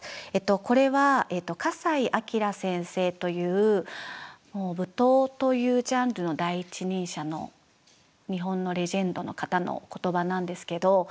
これは笠井叡先生という舞踏というジャンルの第一人者の日本のレジェンドの方の言葉なんですけど。